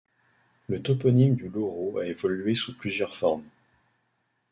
Le toponyme du Louroux a évolué sous plusieurs formes.